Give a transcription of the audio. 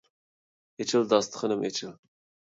ئېچىل داستىخىنىم ئېچىل!